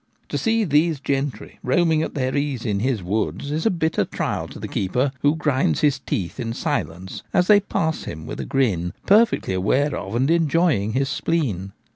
To see these gentry roaming at their ease in his woods is a bitter trial to the keeper, who grinds his teeth in silence as they pass him with a grin, perfectly aware of and enjoying his spleen.